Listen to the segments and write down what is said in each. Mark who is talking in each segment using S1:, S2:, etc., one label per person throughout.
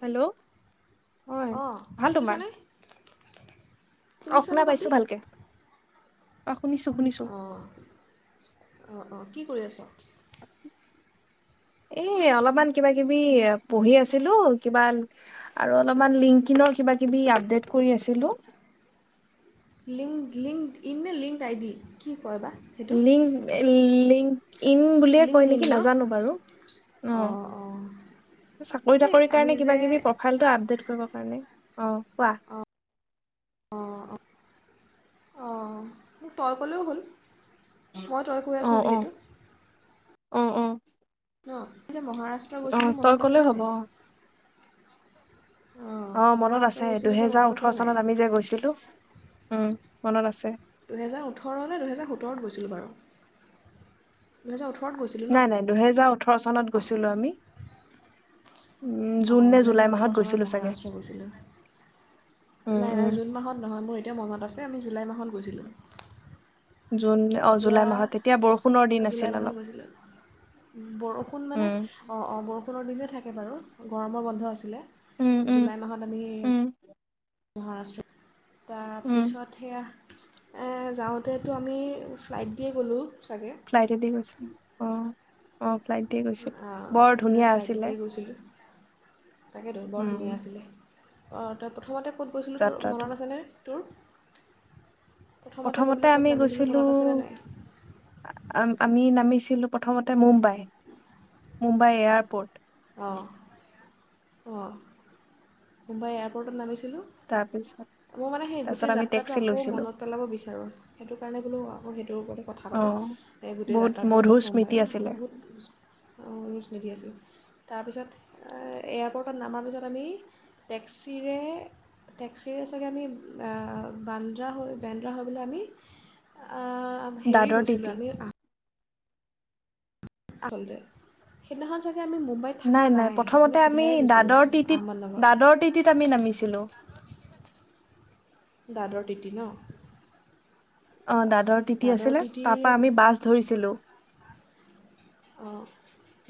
S1: Hello! হয়
S2: অ।
S1: ভাল তোমাৰ
S2: শুনিছনে?
S1: অ
S2: শুনিছনে
S1: শুনা পাইছো
S2: ভণ্টি
S1: ভালকে অ শুনিছো শুনিছো
S2: অঁ অঁ অঁ কি কৰি আছ
S1: এই অলপমান কিবা কিবি পঢ়ি আছিলো কিবা আৰু অলপমান লিংকনৰ কিবা কিবি আপড কৰি আ
S2: link LinkedIn linked I D কি কয় বা সেইটো
S1: লিং লিং লিংক বোলিয়ে কয়
S2: লিংকড ইন
S1: নেকি
S2: ন
S1: নাজানো বাৰু উম
S2: অঁ অঁ
S1: চাকৰী
S2: এই
S1: তাকৰী
S2: আমি
S1: কাৰণে কিবা
S2: যে
S1: টিভি প্ৰফাইলটো আপডেট কৰিব পৰা নাই [unintelligible] অ কোৱা
S2: অঁ তই ক'লেও হ'ল মই তই কৈ
S1: অ
S2: আছো
S1: অ
S2: যিহেতু
S1: অ অ
S2: ন ই যে মহাৰাষ্ট্ৰ
S1: অ
S2: গৈছিলোঁ
S1: তই
S2: মনত
S1: ক'লে
S2: আছেনে ন
S1: হ'ব অ অ মনত
S2: মহাৰাষ্ট্ৰ
S1: আছে
S2: গৈছিলোঁ যে
S1: দুহেজাৰ
S2: মনত
S1: ওঠৰ
S2: আছেনে নাই
S1: চনত আমি যে গৈছিলো উম মনত আছে
S2: দুহেজাৰ ওঠৰ ন দুহেজাৰ সোতৰত গৈছিলোঁ বাৰু দুহেজাৰ ওঠৰ
S1: নাই নাই দুহেজ জাৰ ওঠৰ চনত গৈছিলোঁ আমি উম জুন
S2: অঁ
S1: নে জুলাই
S2: দুহেজাৰ
S1: মাহত
S2: ওঠৰ চনৰত
S1: গৈছিলো চাগে
S2: মহাৰাষ্ট্ৰ গৈছিলোঁ
S1: উম
S2: নাই
S1: উম
S2: নাই জুন মাহত নহয় মোৰ এতিয়া মনত আছে আমি জুলাই মাহত গৈছিলোঁ
S1: জুন অ
S2: এতিয়া
S1: জুলাই মাহত তেতিয়া বৰষুণৰ দিন
S2: জুলাই
S1: আছিল
S2: মাহত
S1: অলপ
S2: গৈছিলোঁ বৰষুণ মানে
S1: উম
S2: অঁ অঁ বৰষুণ পোনৰ দিনে থাকে বাৰু গৰমৰ বন্ধ আছিলে
S1: উম উম
S2: জুলাই মাহত আমি
S1: উম
S2: মহাৰাষ্ট্ৰ তাৰ
S1: উম
S2: পিছত সেয়া এ যাওঁতে তাতেতো আমি ফ্লাইট দিয়ে গ'লোঁ চাগে
S1: ফালাইটেদি গৈছিলো অ অ লাইট দ গৈছিলো বৰ ধুনীয়া আছিলে
S2: তাকে বৰ
S1: উম
S2: ধুনীয়া আছিলে অ তই প্ৰথমতে ক'ত গৈছিলো তোৰ
S1: যাত্ৰাটো
S2: মনত আছেনে তটো
S1: প্ৰথমতে আমি গৈছিলো
S2: আছেনে নাই
S1: আমি নামি ো প্ৰথম মুম্বাই মুম্বাই এয়াৰপৰ্ট
S2: অ মুম্বাই এয়াৰপৰ্টত নামিছো ছিলো
S1: তাৰপিছত
S2: মই মানে সেই
S1: তাৰপিছত
S2: গোটেই
S1: আমি
S2: যাত্ৰাটো
S1: টেক্সি
S2: আকৌ
S1: লৈছিলো
S2: মনত পেলাব বিচাৰোঁ সেইটো কাৰণে বোলো অ তেওঁৰ ওপৰতে কথা
S1: অ
S2: পাতোঁ এই গোটেই
S1: বহুত
S2: যাত্ৰাটোৰ ওপৰত
S1: মধুৰ
S2: লম্বাই
S1: স্মৃতি আছিলে
S2: বহুত স্মৃতি আছে। তাৰপিছত এয়াৰপৰ্টত নামাৰ পিছত আমি টেক্সিৰে টেক্সিৰে চাগে আমি বানদ্ৰা হৈ বেন্দ্ৰা হৈ পলৈ আমি হেৰি
S1: দাদৰ টিটি
S2: গৈছিলোঁ আমি আচলতে সেইদিনাখন চাগে আমি মুম্বাইত থকা
S1: নাই নাই প্ৰথমতে আমি
S2: চিধাই গুচি
S1: দাদৰ
S2: গৈছোঁ
S1: তিটিত
S2: আহমদনগৰ
S1: দাদৰ তিটিত আমি নামিছিলো
S2: তিটিত ন
S1: অ দাদৰ তিতি আছিলে তাৰ পৰাা আমি বাছ ধৰিছিলো
S2: অঁ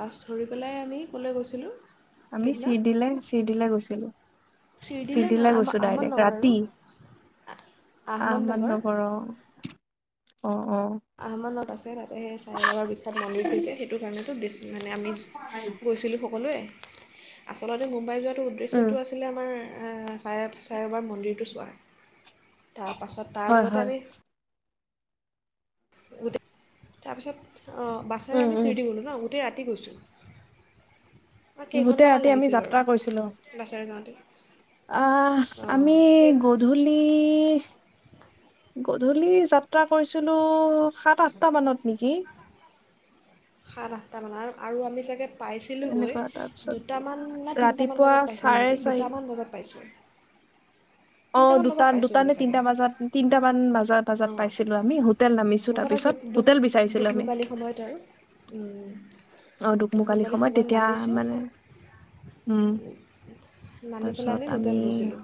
S2: বাছ ধৰি পেলাই আমি ক'লৈ গৈছিলোঁ
S1: আমি
S2: সেইদিনা
S1: চিডিলং চিডিলা গৈছিলো
S2: চিৰদিলৈ নহয়
S1: চিটডলা
S2: আহম
S1: গৈছো ডাইৰেক্ট
S2: আহমদনগৰ আৰু
S1: ৰাতি আহমদ
S2: আহমদনগৰ
S1: নগৰ অ অ
S2: আহমমানত আছে তা সে চাৰে বাবাৰ বিখ্যাত মন্দিৰটো যে সেইটো কাৰণেতো বেছি মানে আমি গৈছিলোঁ সকলোৱে আচলতে মুম্বাই যোৱা
S1: উম
S2: উদ্দেশ্যটো আছিলে আমাৰ চাৰে চাৰে এবাৰ মন্দিৰটো চোৱা তাৰপাছত তাৰ
S1: হয়
S2: লগতে
S1: হয়
S2: আমি গোট তাৰপিছত অঁ বাছেৰে
S1: উম
S2: আমি
S1: উম
S2: চুৰি দি গ'লোঁ ন গোটেই ৰাতি কি কৰিছ ম
S1: গোটেই ৰাতি
S2: কেইঘন্টামান
S1: আমি
S2: লাগিছিল বাৰু
S1: যাত্ৰা কৰিছিলো
S2: বাছেৰে যাওঁতে [inaudible]
S1: আহ
S2: অঁ
S1: আমি
S2: সেই
S1: গধূলি গধূলি যাত্ৰা কৰিছিলোঁ সাত আঠটা মানত নেকি?
S2: সাত আঠটামান আৰু আৰু আমি চাগে পাইছিলোঁগৈ
S1: এনেকুৱা তাৰপিছত
S2: দুটামান ন তিনিটামান
S1: ৰাতিপুৱা
S2: বজাত পাইছিলোঁ
S1: চাৰে
S2: নেকি
S1: চাৰি
S2: দুটামান বজাত পাইছোঁ।
S1: অ
S2: তিনিটামান
S1: দুটা
S2: বজাত
S1: দুটা
S2: পাইছোঁগৈ
S1: নে
S2: চাগে
S1: তিনটা বজাত তিনটামান ব বজাত
S2: অঁ
S1: পাইছিলো আমি হোটেল নামিছো
S2: মুঠতে দু
S1: তাৰপিছত
S2: দুক
S1: হোটেল বিচাৰিছিলো আমি
S2: দুকমুকালি সময়ত আৰু
S1: অহ দোকমোকালি
S2: দুকমুকালি
S1: সময়ত তেতিয়া
S2: নামিছোঁ
S1: মানে, উম,
S2: নামি পেলাই
S1: তাৰপিছত
S2: হোটেল
S1: আমি-
S2: গৈছিলোঁ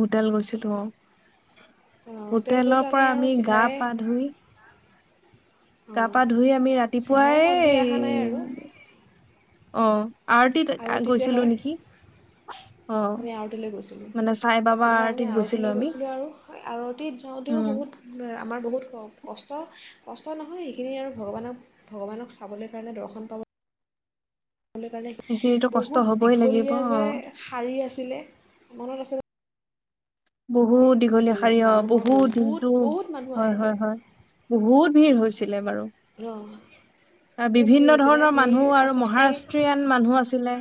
S1: হোটেল গৈছিলোঁ, অহ।
S2: অঁ হোটেল
S1: হোটেলৰ
S2: গৈতো
S1: পৰা
S2: আৰু
S1: আমি
S2: চিধাই
S1: গা-পা ধুই-
S2: অঁ
S1: গা-পা ধুই আমি ৰাতিপুৱাই
S2: চিধাই মন্দিৰ অহা নাই
S1: এই-
S2: আৰু
S1: অহ।
S2: আৰতি যে হয়,
S1: অ
S2: আমি আৰতিলৈ গৈছিলোঁ।
S1: মানে চাই বাবা
S2: চিধাই আমি
S1: আৰতিত গৈছিলো
S2: আৰতিলৈ
S1: আমি
S2: গৈছিলোঁ আৰু আৰতিত যাওঁতেও
S1: উম
S2: বহুত আ- আমাৰ বহুত ক কষ্ট। কষ্ট নহয় সেইখিনি আৰু ভগৱানক, ভগৱানক চাবলৈ কাৰণে দৰ্শন পাব- লৈ কাৰণে,
S1: সেইখিনিতো কষ্ট
S2: বহুত
S1: হবই লাগিব
S2: দীঘলীয়া
S1: অ
S2: যে শাৰী আছিলে- মনত আছে-
S1: বহ [inaudible] বহুত দীঘলীয়া
S2: আছিলে
S1: শাৰী অহ।
S2: মানুহৰ
S1: বহুত দিনটো,
S2: বহুত মানুহ
S1: হয়
S2: আহে যে
S1: হয় হয়। বহুত- ভিৰ হৈছিলে বাৰু।
S2: অঁ
S1: আৰু
S2: বৰ ভিৰ
S1: বিভিন্ন
S2: হৈছিলে
S1: ধৰণৰ
S2: ভিৰ
S1: মানুহ আৰু
S2: তাৰপাছত সেই
S1: মহাৰাষ্ট্ৰীয়ান মানুহ আছিলে।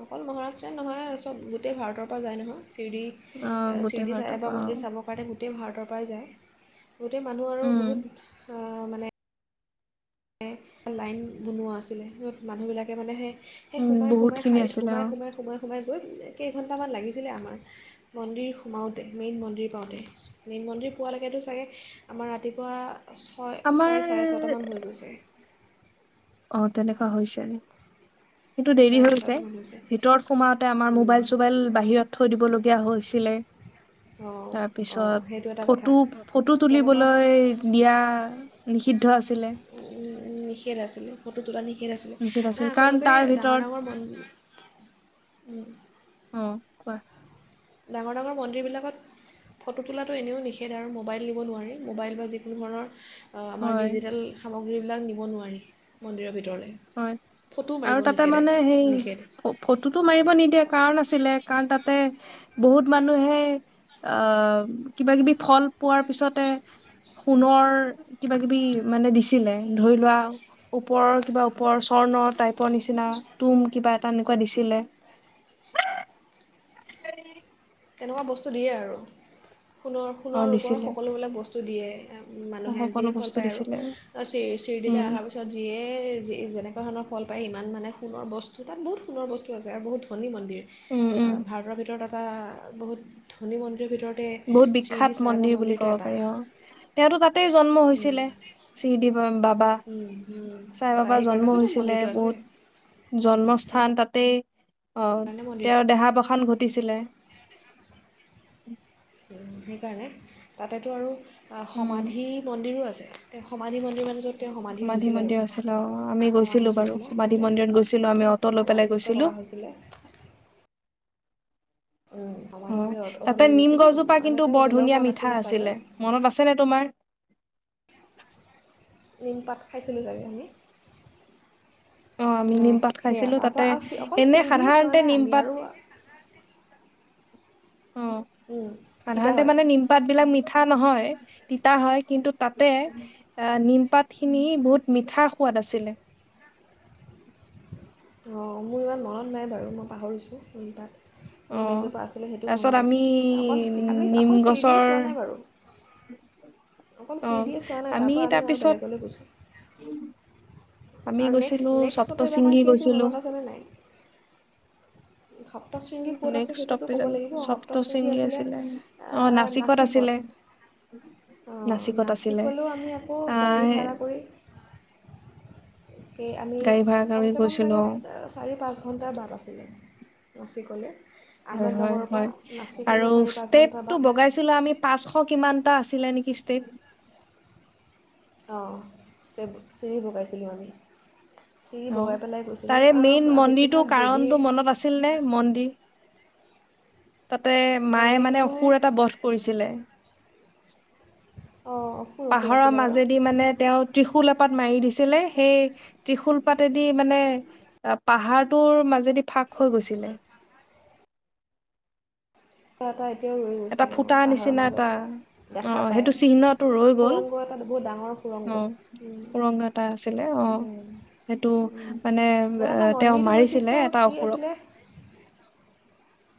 S2: অকল মহাৰাষ্ট্ৰই নহয়, চব গোটেই ভাৰতৰ পৰা যায় নহয়। শিৰডী,
S1: অ
S2: এ
S1: গোটেই
S2: শিৰডী চাই
S1: ভাৰতৰ
S2: বাবা
S1: পৰা অ
S2: মন্দিৰ চাব পাৰে গোটেই ভাৰত- তৰ পৰাই যায়। গোটেই মানুহ আৰু
S1: উম
S2: বহুত- অ মানে- এ লাইন বনোৱা আছিলে। মানুহবিলাকে মানে সেই- সেই
S1: উম
S2: সোমাই
S1: বহুত
S2: সোমাই
S1: খিনি
S2: শাৰীত
S1: আছিলে
S2: সোমাই
S1: অ
S2: সোমাই সোমাই সোমাই- গৈ কেইঘণ্টামান লাগিছিলে আমাৰ মন্দিৰ সোমাওঁতে, মেইন মন্দিৰ পাওঁতে। মেইন মন্দিৰ পোৱালৈকেতো চাগে আমাৰ ৰাতিপুৱা- ছয়
S1: আমাৰ
S2: ছয়, চাৰে ছটামান হৈ গৈছে।
S1: অহ তেনেকুৱা হৈছে। কিন্তু
S2: ছয়
S1: দেৰি
S2: চাৰে
S1: হৈছে।
S2: ছটামান
S1: ভিতৰত সোমাওঁতে আমাৰ মোবাইল-চোবাইল বাহিৰত থৈ দিবলগীয়া হৈছিলে।
S2: অঁ অঁ
S1: তাৰপিছত,
S2: সেইটো এটা কথা
S1: ফটো ফটো
S2: তেনেকুৱা
S1: তুলিবলৈ দিয়া- নিখিদ- দ্ধ আছিলে।
S2: নিষেধ আছিলে ফটো তোলা নি- ষেধ আছিলে।
S1: নিষেধ
S2: নাই
S1: আছিল কাৰণ
S2: আচলতে
S1: তাৰ
S2: ডাঙৰ
S1: ভিতৰত
S2: ডাঙৰ মান- উম। [inaudible]
S1: অহ কোৱা।
S2: ডাঙৰ ডাঙৰ মন্দিৰবিলাকত ফটো তোলাটো এনেও নিষেধ আৰু। মোবাইল নিব নোৱাৰি, মোবাইল বা যিকোনো ধৰণৰ- অ আমাৰ
S1: হয়
S2: ডিজিটেল সামগ- সেই বিলাক নিব নোৱাৰি, মন্দিৰৰ ভিতৰলে।
S1: হয় আৰু তাতে মানে সেই
S2: নিষেধ
S1: ফটোটো মাৰিব নিদিয়ে কাৰণ আছিলে কাৰণ তাতে বহুত মানুহে আহ কিবা কিবি ফল পোৱাৰ পিছতে সোণৰ কিবা কিবি মানে দিছিলে। ধৰি লোৱা ওপৰৰ কিবা পৰ স্বৰ্ণৰ টাইপৰ নিচিনা তুম কিবা এটা এনেকুৱা দিছিলে আ
S2: তেনেকুৱা বস্তু দিয়ে আৰু সোণৰ
S1: অ
S2: সোণৰ ৰূপৰ
S1: দিছিলে
S2: সকলোবিলাক বস্তু [unintelligible] মানুহে
S1: সকলো
S2: যিয়ে ফল
S1: বস্তু
S2: পায় আৰু
S1: দিছিলে
S2: চিৰ- চিৰডি লৈ
S1: উম
S2: আহাৰ পিছত যিয়েই যি, যেনেকোৱা ধৰণৰ ফল পায় ইমান মানে সুণৰ বস্ত তাত বহুত সুণৰ বস্তু আছে আৰু বহুত ধনী মন্দিৰ।
S1: উম উম
S2: অ', ভাৰতৰ ভিতৰত এটা, বহুত ধনী মন্দিৰ ভিতৰত,
S1: বহুত বিখ্যাত মন্দিৰ বুলি কব পাৰি অ', তেওঁতো তাতেই জন্ম হৈছিলে শ্ৰীদি বাবা। বা চাই
S2: তাৰ
S1: বাবা জন্ম
S2: সেইকাৰণেতো তাৰ
S1: হৈছিলে
S2: মন্দিৰটো আছে
S1: বহুত জন্মস্থান
S2: সেইকাৰণে
S1: তাতেই, - অ ',
S2: মন্দিৰ
S1: তেওঁৰ দেহা - বসান ঘটিছিলে। উম,
S2: সেইকাৰণে তাতেতো আৰু, অ',
S1: উম
S2: সমাধি মন্দিৰো আছে। তেওঁ সমাধি মন,
S1: সমাধি মন্দিৰ আছিল অ ', আমি
S2: সমাধি
S1: গৈছিলো বাৰু
S2: হৈছিলে
S1: সমাধি
S2: তাতে
S1: মন্দিৰত গৈছিলো। আমি অটো লৈ পেলাই
S2: সমাধিস্থ
S1: গৈছিলো।
S2: কৰা হৈছিলে
S1: হয়
S2: সমাধিলৈ অ'টো
S1: তাতে
S2: লৈ
S1: নিম
S2: গৈছিলোঁ
S1: -গছজোপা
S2: মানে
S1: কিন্তু
S2: তেওঁ
S1: বৰ
S2: জ্বলাও
S1: ধুনীয়া
S2: হোৱা
S1: মিঠা
S2: নাছিল চাগৈ
S1: আছিলে মনত আছে নে তোমাৰ?
S2: নিমপাত খাইছিলোঁ ছাগে আমি।
S1: অহ ', আমি
S2: মানে
S1: নিমপাত
S2: সেয়া
S1: খাইছিলো
S2: তাৰপৰা
S1: তাতে
S2: আৰু চি অকল
S1: এনে
S2: চিৰিডিয়ে চোৱা
S1: সাধাৰণতে
S2: নাই আমি
S1: নিমপাত,
S2: আৰু
S1: অ',
S2: তিতা
S1: সাধাৰণতে
S2: হয়
S1: মানে নিমপাত বিলাক মিঠ, মিঠা নহয় তিতা হয় কিন্তু তাতে নিমপাত খিনি বহুত মিঠা- সোৱাদ আছিলে।
S2: অ', মোৰ ইমান মনত নাই বাৰু মই পাহৰিছোঁ নিমপাত।
S1: অ
S2: নিমেজোপা আছিলে সেইটো
S1: তাৰপিছত
S2: মনত
S1: আমি
S2: আছে অকল চি, আমি
S1: নিম
S2: অকল শ্ৰীদিয়ে
S1: গছৰ
S2: চোৱা নাই বাৰু অকল
S1: অ
S2: শ্ৰীদিয়ে চোৱা নাই তাৰপা আমি আৰু বেলেগলৈ গৈছোঁ।
S1: আমি
S2: আৰু
S1: গৈছিলো
S2: নেক্সট- নেক্সট ষ্টপেজ
S1: সপ্তশৃংগী
S2: আমাৰ কি আছিল
S1: গৈছিলো
S2: মনত আছেনে নাই? খাপ। সপ্তশৃংগী ক'ত আছে সেইটোতো ক'ব লাগিব সপ্তশৃংগী আছিলে
S1: অ
S2: অহ ', নাচিকত
S1: আছিলে
S2: অ',
S1: নাচিকত আছিলে
S2: নাচিকলৈও আমি আকৌ
S1: আহ
S2: গাড়ী ভাড়া কৰি, আমি
S1: গাড়ী ভাড়া কৰি
S2: কমচে- কম
S1: গৈছিলো
S2: চাগে চাৰি -পাঁচ ঘণ্টাৰ বাট আছিলে। নাচিকলে।
S1: হয় ', - হয়', - হয় আৰু
S2: চাৰি পাঁচ ঘণ্টাৰ
S1: ষ্টেপটো
S2: বাট
S1: বগাইছিলো আমি পাচঁশ কিমানটা আছিল, চিলে নেকি ষ্টেপ।
S2: অ, 'চেৰি বগাইছিলোঁ আমি। চিৰি
S1: অ',
S2: বগাই পেলাই গৈছিলোঁ
S1: তাৰে মেইন
S2: আৰু
S1: মন্দিৰটো
S2: বেছিভাগ দেৱীৰ
S1: কাৰণটো মনত আছিল নে? মন্দিৰ, তাতে মায়ে
S2: মন্দিৰটো
S1: মানে অসুৰ এটা বধ কৰিছিলে।
S2: অঁ অসুৰ অসুৰ
S1: পাহৰৰ
S2: আছিলে বাৰু
S1: মাজেদি মানে তেওঁ ত্ৰিশূল, পাত মাৰি দিছিলে সেই ত্ৰিশুল পাতেদি মানে পাহাৰটোৰ মাজেদি ফাঁক হৈ গৈছিলে।
S2: ক তই
S1: এটা ফুটা নিচিনা এটা
S2: দেখা
S1: অহ
S2: পায়
S1: সেইটো চিহ্নটো ৰৈ গল
S2: সুৰংগ এটা বহুত ডাঙৰ সুৰংগ
S1: অহ সুৰংগ এটা আছিলে অহ সেইটো মানে
S2: নাজানো
S1: তেওঁ
S2: মন্দিৰটোৰ
S1: মাৰিছিলে
S2: বৈশিষ্ট্য
S1: এটা
S2: কি
S1: অসুৰক
S2: আছিলে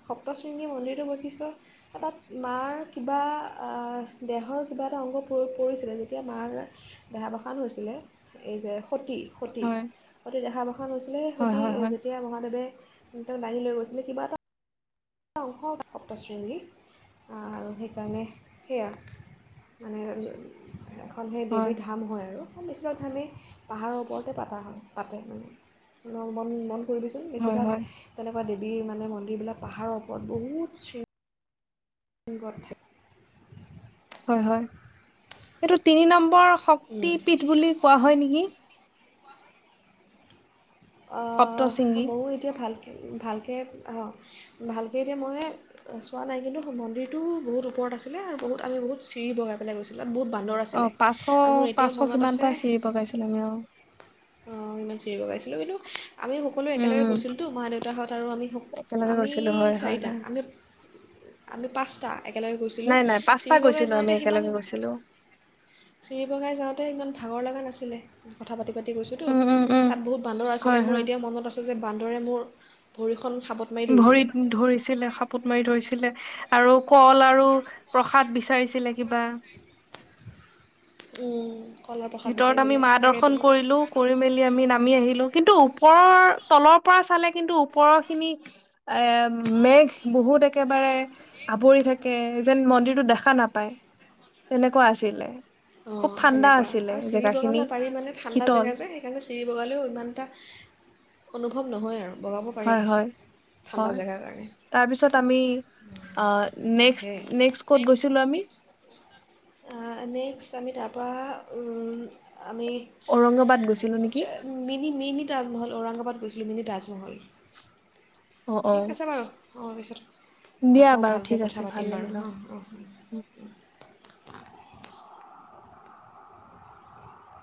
S2: সপ্তশৃংগী মন্দিৰটো বৈশিষ্ট তাত মাৰ কিবা দেহৰ কিবা এটা অংগ পৰিছিলে যেতিয়া মাৰ দেহা বসান হৈছিলে এই যে সতী সতী
S1: হয়
S2: সতী দেহাৱসান হৈছিলে
S1: হয়
S2: সতী
S1: হয় হয়
S2: যেতিয়া মহাদেৱে তেওঁক দাঙি লৈ গৈছিলে কিবা এটা টা ওখ সপ্ত শ্ৰৃণী আৰু সেইকাৰণে সেয়া মানে এখন সেই
S1: হয়
S2: দেবী ধাম হয় আৰু বৈষ্ণৱ ধামি পাহাৰৰ ওপৰতে পাতা হয় পাতে মানে মান মন মন ফুৰিবিচোন বেছি
S1: হয়
S2: ভাগ
S1: হয়
S2: তেনেক কা দেৱী মানে মন্দিৰবিলাক পাহাৰত ওপৰত বহুত চে দূৰত থাকে
S1: হয় হয় এইটো তিনি নম্বৰ শক্তি পীঠ বুলি কোৱা হয় নেকি
S2: অ
S1: সপ্ত শৃংগী
S2: ময়ো এতিয়া ভালকে ভালকে অ ভালকে এতিয়া মইয়ে চোৱা নাই কিন্তু মন্দিৰটো বহুত ওপৰত আছিলে আৰু বহুত আমি বহুত চিৰি বগাই পেলাই গৈছিলোঁ তাত বহুত বান্দৰ আছিলে
S1: পাঁচশ অ
S2: আৰু মোৰ এতিয়াও
S1: পাঁচশ
S2: মনত
S1: কিমানটা চিৰি বগাইছিলো আমি অ
S2: অহ ইমান চিৰি বগাইছিলো কিন্তু আমি সকলোৱে
S1: উম
S2: একেলগে
S1: উম
S2: গৈছিলতো মা দেউতাহঁত আৰু আমি
S1: একেলগে
S2: আমি
S1: গৈছিলো হয় হয়
S2: চাৰিটা
S1: হয়
S2: আমি আমি পাঁচটা একেলগে গৈছিলোঁ
S1: নাই নাই পাঁচটা
S2: চিৰিবগাই
S1: গৈছিলো আমি
S2: যাওঁতে সিমান
S1: একেলগে গৈছিলো
S2: চিৰিবগাই যাওঁতে তেতিয়া ইমান ভাগৰ লগা নাছিলে কথা পাতি পাতি গৈছোঁতো
S1: উম উম উম
S2: তাত বহুত বান্দৰ আছিলে
S1: হয়
S2: মোৰ
S1: হয়
S2: এতিয়াও মনত আছে যে বান্দৰে মোৰ ভৰিখন সাবত মাৰি ধৰিছিলে
S1: ভৰিত ধৰিছিলে সাপত মাৰি ধৰিছিল লে আৰু কল আৰু প্ৰসাদ বিচাৰিছিলে কিবা
S2: উম
S1: ভিতৰত আমি মা দৰ্শন কৰিলো কৰি মেলি আমি নামি আহিলো কিন্তু ওপৰৰ তলৰ পৰা চালে কিন্তু ওপৰৰ খিনি এ মেঘ বহুত একেবাৰে আৱৰি থাকে যেন মন্দিৰতটো দেখা নাপায় তেনেকোৱা আছিলে
S2: অ
S1: খুব ঠাণ্ডা
S2: তেনেকোৱা
S1: আছিলে
S2: আৰু
S1: জেগাখিনি
S2: চিৰিবগাবলে পাৰি মানে ঠাণ্ডা
S1: শীতল
S2: জেগা যে সেইকাৰণে চিৰিবগালেও ইমান এটা অনুভৱ নহয় আৰু বগাব পাৰি
S1: হয় হয়
S2: ঠাণ্ডা
S1: হয়
S2: জেগাৰ কাৰণে
S1: তাৰপিছত আমি
S2: তাকে
S1: নেক্স কত গৈছিলো আমি
S2: অ এনেই আমি তাৰপৰা
S1: ঔৰংগবাদ গুছ
S2: আ মিনি মিনি তাজমহল ঔৰংগাবাদ গৈছিলোঁ মিনি তাজমহল
S1: অ অ
S2: ঠিক আছে বাৰু অ পিছত
S1: দিয়া
S2: আকৌ
S1: বাৰু ঠিক
S2: ভালকৈ
S1: আছে
S2: কথা
S1: ভাল
S2: পাতিম
S1: লাগিল
S2: বাৰু অঁ
S1: অ
S2: অঁ